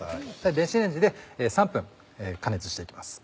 電子レンジで３分加熱していきます。